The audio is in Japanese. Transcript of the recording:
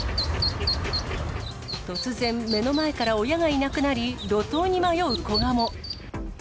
突然、目の前から親がいなくなり、路頭に迷う子ガモ。